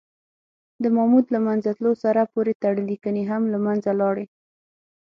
د ماموت له منځه تلو سره پورې تړلي کنې هم له منځه لاړې.